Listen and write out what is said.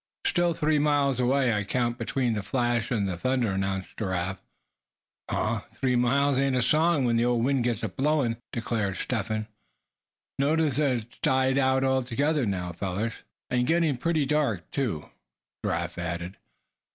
"Still three miles away; I counted between the flash and the thunder," announced Giraffe. "Huh! three miles ain't a song when the old wind gets to blowing," declared Step Hen. "Notice that it's died out altogether now, fellers?" "And getting pretty dark, too," Giraffe added.